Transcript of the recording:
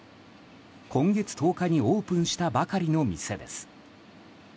今月１０日にオープンしたばかりの店です。